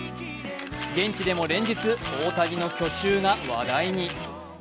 現地でも連日、大谷の去就が話題に。